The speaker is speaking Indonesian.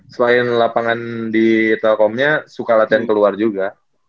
selain lapangan di telkomnya suka latihan keluar juga